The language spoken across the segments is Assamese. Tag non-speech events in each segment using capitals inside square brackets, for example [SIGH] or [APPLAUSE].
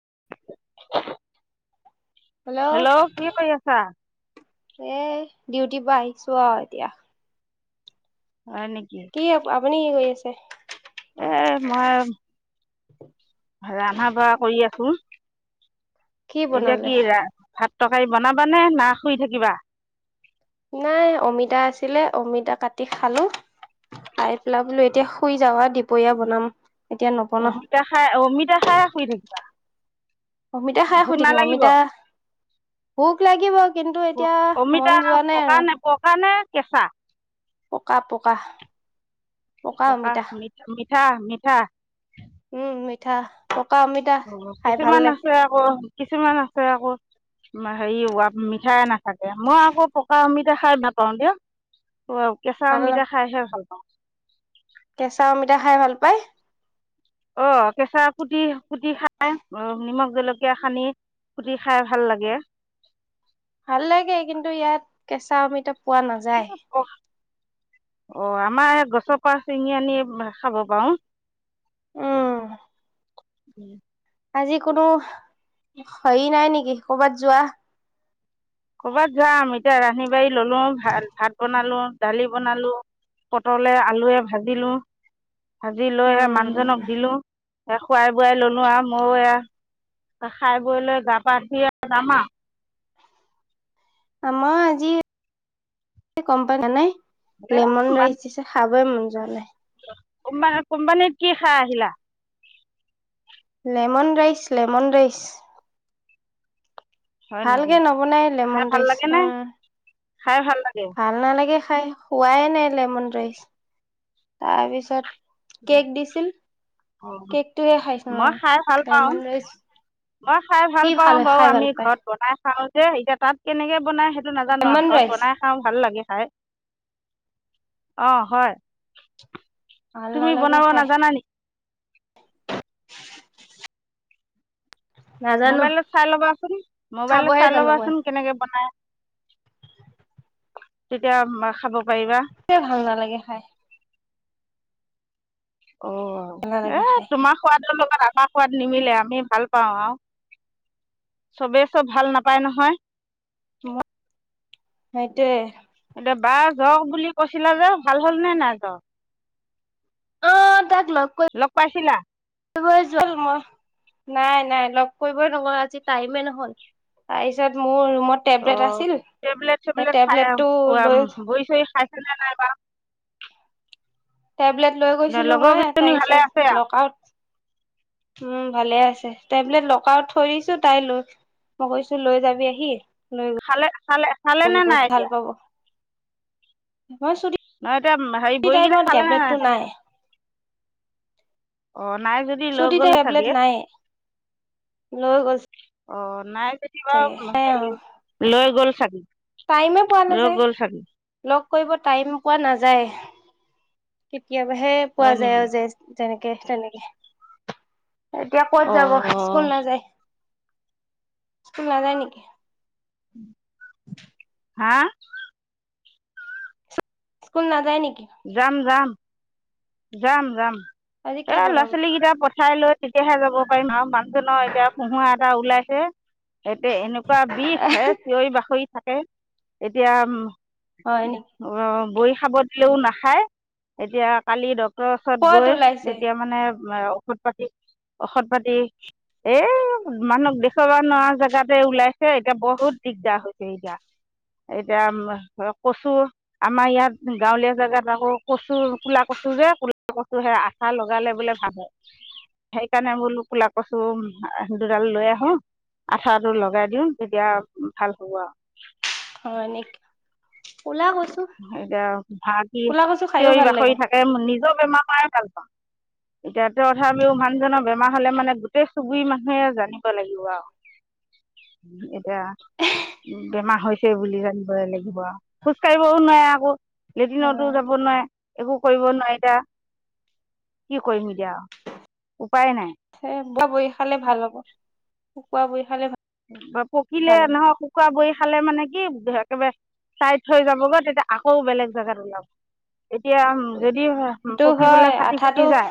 উমহ হেল্ল' কি কৰি আছা এ ডিউটিৰ পৰা আহিছো আৱ এতিয়া হয় নেকি টোপনিয়ে গৈ আছে এ মই ৰন্ধা বঢ়া কৰি আছো কি এতিয়া বনালে কি ৰা ভাত তৰকাৰী বনাবা নে না শুই থাকিবা নাই অমিতা আছিলে অমিতা কাটি খালো পাই পেলা বোলো এতিয়া শুই যাওঁ দুপৰীয়া বনাম এতিয়া নবনাও অমিতা খাই অমিতা খাই শুই থাকিবা অমিতা খাই শুই ভোক থাকিম নালাগিব মমিতা ভোক লাগিব কিন্তু পক এতিয়া মন অমিতা যোৱা নাই পকা আৰু নে পকা নে কেঁচা পকা পকা পকা মিঠা মিঠা উম মিঠা পকা অমিতা অ খাই ভাল কিছুমান লাগে আছে আকৌ কিছুমান আকৌ হেৰি মিঠাই নাথাকে মই আকৌ পকা অমিতা খাই ভাল পাওঁ দিয়া কেঁচা ভাল ন। অমিতা খাইহে ভাল পাওঁ পাই অ কেঁচা কুটি কুটি খাই নিমখ জলকীয়া খানি কুটি খাই ভাল লাগে ভাল লাগে কিন্তু ইয়াত কেঁচা অমিতা পোৱা নাযায় অ আমাৰ গছৰ পৰা ছিঙি আনি খাব পাৰো উম [UNINTELLIGIBLE] আজি কোনো হেৰি নাই নেকি কৰ'বাত যোৱা কৰ'বাত যাম এতিয়া ৰান্ধি বাঢ়ি ললো ভাত ভাত বনালো দালি বনালো পটলে আলুৱে ভাজিলো আজি লৈ আহে মানুহজনক উম দিলো এ খুৱাই বোৱাই ললো আৰু মইয়ো এ খাই বৈ লৈ গা পা ধুইয়ে যামা আমাৰ আজি গম পাই কিনেনাই আৰু লেমন ৰাইচ খাবই মন ভালে কোম্পানীত কোম্পানীত কি খাই আহিলা লেমন ৰাইচ লেমন ৰাইচ হয় নেকি ভালকে নবনাই খাই লেমন ভাল লাগে ৰাইচ নে উম খাই ভাল লাগে ভাল নালাগে খাই হোৱাই নাই লেমন ৰাইচ তাৰপিছত কেক দিছিল কেকটোহে খাইছো অ মই খাই ভাল পাওঁ লেমন ৰাইচ মই খাই কি ভাল পাওঁ বাৰু খাই ভাল আমি পায় ঘৰত বনাই খাওঁ যে এতিয়া তাত কেনেকে বনাই টো নাজানো লেমন ঘৰত ৰাইচ বনাই খাওঁ ভাল লাগে অ হয় ভাল তুমি নালাগে বনাব খাই নাজানা নেকি নাজানো মোবাইলত চাই ল'বাচোন মোবাইলত খাবহে চাই জানো মই ল'বাচোন কেনেকে বনাই তেতিয়া খাব পাৰিবা তে ভাল নালাগে খাই অ ভাল এ নালাগে খাই তোমাৰ খোৱা লগত আমাক সোৱাদ নিমিলে আমি ভাল পাওঁ আৰু চবে চব ভাল নাপায় নহয় সেইটোৱে এতিয়া বা যো বুলি কৈছিলা যে ভাল হল নে নাই ত অ লগ পাইছিলা ই নাই নাই লগ কৰিবই নকৰো আজি টাইমে নহল তাৰ পিছত ত টেবলেট সেই চেবলেট খাই টেবলেটটো লৈ বহ চহ খাই নাই বা টেবলেট লৈ গৈছিলো মই ভালে আছে তাৰপিছত লগত উম ভালে আছে টেবলেট লকাৰত থৈ দিছো তাই লৈ মই কৈছো লৈ যাবি আহি খালে খালে খালে নে গলকৈ নাই ভাল এতিয়া পাব ম ন এয়া হেৰি বইকেইটা খালে নে নাই অ নাই যদি লৈ চুটিতে গ'ল তেবলেট চাগে নাই লৈ গৈছে অ নাই কিবা লৈ গ'ল খাৰ [UNINTELLIGIBLE] টাইমে পোৱা নাযায় লগ কৰিব টাইম পোৱা নাযায় কেতিয়াবাহে পোৱা হয় যায় নেকি আৰু তেনেকে তেনেকে এতিয়া কত অ যাব স্কুল নাযায় স্কুল নাযায় নেকি উম হা স্কুল নাযায় নেকি যাম যাম যাম যাম আজি কি এ ল'ৰা বনাব ছোৱালীকেইটা প চাই লৈ তেতিয়াহে যাব পাৰিম আৰু মানুহজনৰ এতিয়া পোহা এটা ওলাইছে এতে এনেকুৱা বিষ হে চিঞৰি বাকৰি থাকে হয় নেকি এতিয়া অ বই খাব নাখায় এতিয়া কালি ড ডক্তৰ ওচৰত ক'ত গৈ ওলাইছে যেতিয়া মানে মাৰ ঔষধ পাতি ঔষধ পাতি এ মানুহ দেখুৱাবা নোৱাৰা য যাতে ওলাইছে এতিয়া বহুত দিগদাৰ হৈছে এতিয়া এতিয়া কচু আমাৰ ইয়াত গাঁৱলীয়া জাগাত আকৌ কচু কুলা কচু যে কা কচু সে আঠা লগালে বোলে ভাল হয় সেইকাৰণে বোলো কলা কচু দুডাল লৈ আহো আঠাটো লগাই দিওঁ তেতিয়া ভাল হব আও অ এনেক এতিয়া ভ ক'লা কচু খাইও চিঞৰি ভাল লাগে বাখৰি থাকে নিজৰ বেমাৰ প ভাল পাওঁ এতিয়াতে তথাপিও মানুহজনৰ বেমাৰ হলে মানে গোটেই চুবুৰি মানুহে জানিব লাগিব আও এতিয়া বেমাৰ হৈছে বুলি জানিবই লাগিব আৰু খোজ কাঢ়ি ক ন আকৌ [UNINTELLIGIBLE] অ লেট্ৰিনতো যাব নোৱাৰে একো কৰিব নোৱাৰি এতিয়া কি কৰিম এতিয়া উপায় নাই হে ব বৰি খালে ভাল হ'ব শুকোৱা বই খালে ভাল হব বা পকিলে নহক শুকুৰা বৈ খালে মানে কি একেবাৰে চাই থৈ যাব গৈ তেতিয়া আকৌ বেলেগ জাগাত ওলাব এতিয়া যদি সেইটো পকি হয় পেলাই খাটি আঠাটো ফুটি যায়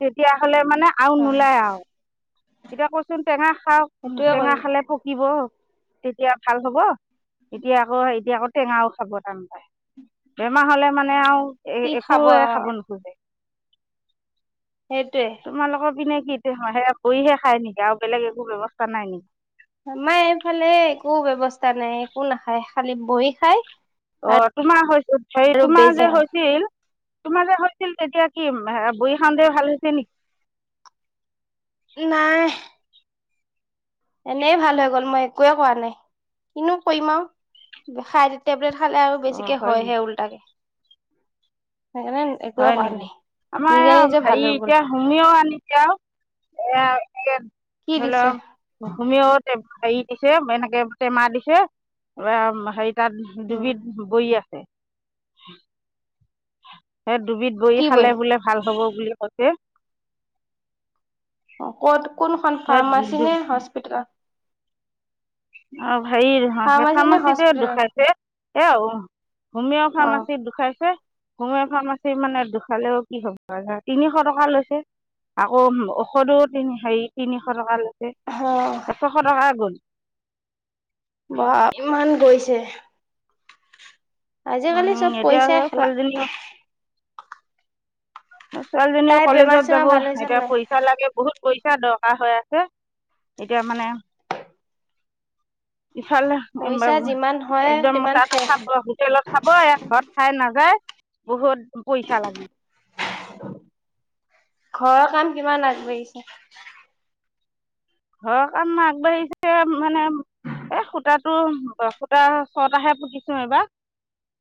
তেতিয়াহলে মানে আৰু হয় নোলায় আৰু এতিয়া কচোন টেঙা খা উ সেইটোয়ে তেঙা কৰিব খালে পকিব তেতিয়া ভাল হ'ব এতিয়া আকৌ এতিয়া আকৌ টেঙাও খাব টান পায় বেমাৰ হলে মানে আৰু একোযে খাব নোখোজে সেইটোয়ে তোমালোকৰ পিনে সেটো কৰিহে খাই নেকি আৰু বেলেগ একো ব্যৱস্থা নাই নেকি আমাৰ এইফালে একো ব্যৱস্থা নাই একো নাখায় খালি বহি খায় অ তোমাৰ হৈছিল হেৰি তোমাৰ বেজি যে হৈছিল তোমাৰ হৈছিল তেতিয়া কি বহী খানদ ভাল হৈছে নেকি নাই এনেই ভাল হৈ গ'ল মই একোৱে কোৱা নাই কিনো কৰিম আৰু খাই টেবলেট খালে আৰু অঁ বেছিকে হয় নেকি হয়হে উল্টা কে [UNINTELLIGIBLE] হয় নেকি আমাৰ নিজে ভাল হেৰি হৈ গ'ল এতিয়া শুমিও আনিছে আৰু এ [UNINTELLIGIBLE] কি হল দিছে হোমিওটে হেৰি দিছে এনেকে টেমা দিছে হে তাত উম দুবিধ বই আছে [UNINTELLIGIBLE] [UNINTELLIGIBLE] এ দুবিধ বহি কি বৈ খালে বোলে ভাল হ'ব বুলি ক হ ক'ত কোনখন ফাৰ্মাচী সেই নে হস্পিতেলত অ হেৰি নহয় ফাৰ্মাচী নে ফাৰ্মাচীতে হস্পিতেলত দুখাইছে এয়া হমিঅ' অ ফাৰ্মাচিত দুখাইছে সমেও ফাম আছে মানে দুখালেও কি হ'ব তিনিশ টকা লৈছে আকৌ ওষধো তিনি হেৰি তিনিশ টকা লৈছে অ এশশ টকা গ'ল বা ইমান গৈছে যে আজিকালি উম চব এতিয়া পইচাই খেলা ছোৱালীজনীও ছোৱালীজনীও তাইৰ বেমাৰ কলেজত যাব চেমাৰ ভাল হৈছে নে এতিয়া নাই পইচা লাগে বহুত পইচা দৰকাৰ হৈ আছে এতিয়া মানে ইফালে পইচা যিমান হয় একদম সিমান তাত শেষ খাব হোটেলত খাব এ ঘৰত খাই নাযায় বহুত পইচা লাগে ঘৰৰ কাম কিমান আগবাঢ়িছে ঘৰৰ কাম আগবাঢ়িছে মানে এ খুঁটাটো খুটা ছটাহে পুতিছো এইবাৰ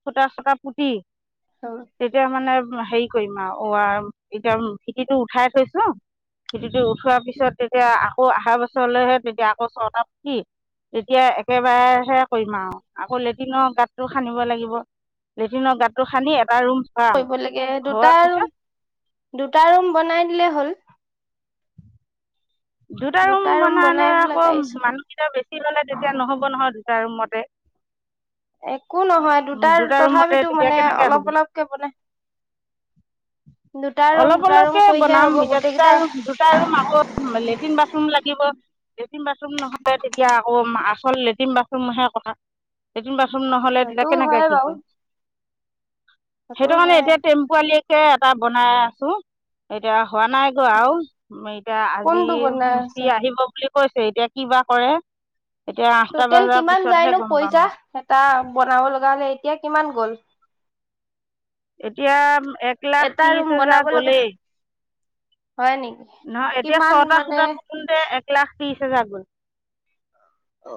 খুত ছটা পুতি কৰিব তেতিয়া মানে হে কি কৰিম আৰু এতিয়া ভিটিটো উঠাই থৈছো ভেটিটো উঠোৱাৰ পিছত তেতিয়া আকৌ আহা বছৰলৈহে তেতিয়া আকৌ ছটা পুতি তেতিয়া একেবাৰেহে কৰিম আৰু আকৌ লেটিনৰ গাঁতটো খানিব লাগিব লেটিনৰ গাঁতটো খান্দি এটা ৰুম ভৰাম কৰিব লাগে দুটা ভৰোৱাৰ পিছত আৰু দুটা ৰুম বনাই দিলে হ'ল দুটা ৰুম বনাই বনালে পেলাই আকৌ তাৰপিছত মানুহকেইটা বেছি ললে তেতিয়া নহ'ব নহয় দুটা ৰুমত এক। একো নহয় দুটাৰ দুটা ৰুমতে তথাপিতো তেতিয়া মানে কেনেকৈ অলপ হ'ব অলপকে বন দুটা ৰুম অলপ দুটা ৰুম অলপকৈ কৰিহে বনাম হব এতিয়া গোটেই কেইটাই। লেতিন বাৰুম লাগিব। লেটিন বাথৰুম নহয় তেতিয়া আকৌ। লেটিন বাথৰু হে কথা লেটিন বাথৰুম। ৰুম নহ'লে সেইটো বেৰেক। এতিয়া হয় কি বাৰু কৰি। সেইটো কাৰণে এতিয়া টেম্পালিয়ে। লেটিন এটা বনাই আছো এতিয়া। হোৱা নাই গৌ আৰু এতিয়া আজি কোনটো বনাই আছে মিস্ত্ৰী আহিব বুলি। কৈছে এতিয়া কি বা কৰে। এতিয়া আঠটা টোটেল বজাৰ কিমান পিছতহে যায়নো গম পাম পইচা এটা বনাব লগা হলে। এতিয়া কিমান গ'ল। এতিয়া। এক লাখ এটা ৰুম ত্ৰিশ বনাব হোজাৰ লগা গলেই। হয় নেকি নহয় এতিয়া কিমান ছটা মানে সুতা পোতোতে এক লাখ। ত্ৰিছ হাজাৰ গল। অ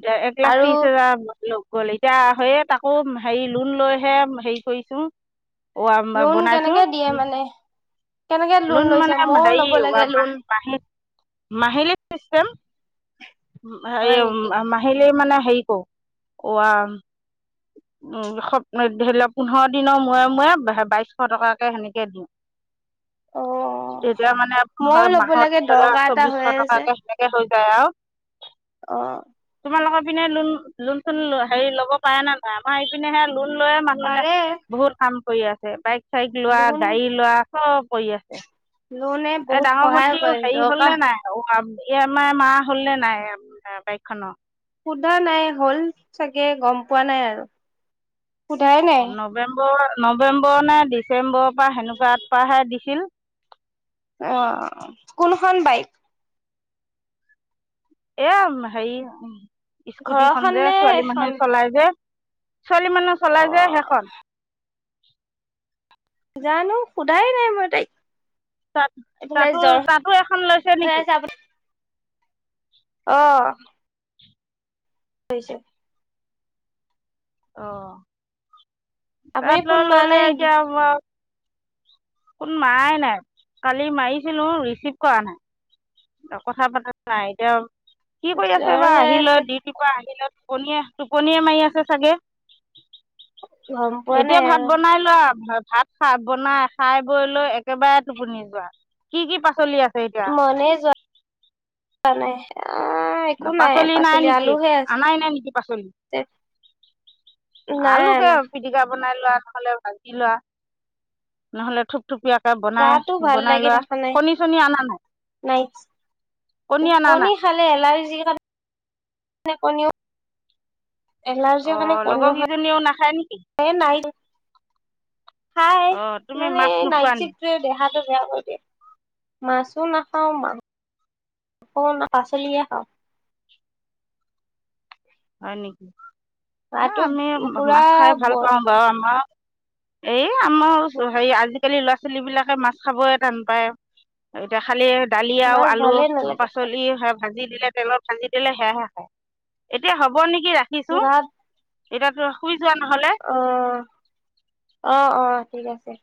এতিয়া এক লাখ আৰু ত্ৰিশ হাজাৰ। লগ গ'ল এতিয়া সেইয় তাকো হেৰি লোন লৈহে হেৰি কৰিছো। লোন কেনেকে দিয়ে মানে। কেনেকে লোন লৈছে মানে মোও হেৰি ল'ব লাগে লোন। মাহিলী মাহিলী। চিষ্টম। সেই হয় নেকি মাহিলী মানে। হেৰি কৰো অ উ ধৰি লওক পোন্ধৰ দিনৰ মূৰে মূৰে বাইশ টকাকে সেনেকে দিওঁ। অ তেতিয়া মানে মইও হয় ল'ব মাহত লাগে ধ লওক দৰকাৰ এটা চবিশ হৈ টকাকে সেনেকে হৈ। হে আৰু। আহ। তোমালোকৰ পিনে লোন লোন চোন হেৰি ল'ব পাৰে নে নাই আমাৰ সি পিনেহে। লোন লৈয়ে মানুহে পাৰে বহুত কাম। কৰি আছে বাই। চাইক লোৱা লোন গাড়ী লোৱা। অ কৰি আছে লোনে এ বহুত ডাঙৰ সহায় ভণ্টি কৰে হেৰি হল দৰকাৰ নে নাই আৰু ই এম আই মাৰা হল ন নাই বাইক খনৰ সোধা নাই হ'ল চাগে গম পোৱা নাই আৰু সোধাই নাই নৱেম্বৰ নৱেম্বৰ নে ডিচেম্বৰৰ পৰা সেনেকুৱা পৰাহে দিছিল অ কোনখন বাইক এম হেৰি স্কুটি খন ঘৰখন যে নে ছোৱালী এখন মানুহে চলাই যে ছোৱালী মানুহ অ চলাই যায় সেইখন [UNINTELLIGIBLE] জানো সোধাই নাই মই তাইক তাত এইফালে তাতো জ্বৰ তাতো এখন লৈছে নেকি অহ স্চয় [UNINTELLIGIBLE] অহ আপুনি তাত ল ফোন মৰা ললে নাই নেকি এতিয়া মই কোন মাৰাই নাই কালি মাৰিছিলো ৰিচিভ কৰা নাই কথা পাতা নাই এতিয়া কি কৰি আছে জ্বৰ বাৰ হৈ আহিলত আছে দিউতিপা আহিলত টোপণিয়ে টোপনিয় মাৰি আছে চাগে গম পোৱা এতিয়া নাই ভাত আৰু বনাই লোৱা ভাত ভাত খা বনাই খাই বৈ লৈ একেবাৰে টোপনি যোৱা কি কি পা পাচলি আছে এতিয়া ৱা নাই আহ একো পাচলি নাই নেকি আলুহে আছে আনাই নাই নেকি পাচলি নাই আলুকে অনা পিটিকা বনাই ল লোৱা নহলে ভাজি লোৱা নহ'লে থুপ থুপীয়াকে বনাই গাটো ভাল বনাই লাগি লোৱা থকা নাই কণী চনী অনা নাই নাইট কণী অনা নাই লাৰ্জি বাবে কণিও অ লগৰ কিজনীও নাখা হয় নেকি । হাই অ তুমি মানে মাছ নাইট নোখোৱা নেকি চিফ্ট যে দেহাত । পেটতো বেয়া কৰি দিয়ে। মাছো নাখাও, মাংসো নাখাও, পাচলিয়ে খাও । হয়নি । নাই গাটো আমি পুৰা মাছ খাই ভাল বদ পাও বাৰু আমাৰ । এই আমাৰ হেৰি আজিকালি ল'ৰা-ছোৱালী বিলাকে মাছ খাব টান পায় এতিয়া খালি । দালি আৰু মাছ ভালে নালাগে আলু-পাচলি সেই - ভাজি দিলে, তেলত ভাজি দিলে সেয়াহে খায় । এতিয়া হ'ব নেকি । কি ৰাখিছো । এতিয়াতো শুই । অহ অ'- অ' । ঠিক আছে ।